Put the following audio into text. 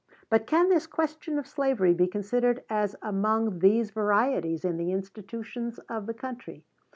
But can this question of slavery be considered as among these varieties in the institutions of the country?